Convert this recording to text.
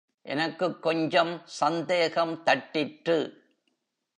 எனக்குக் கொஞ்சம் சந்தேகம் தட்டிற்று.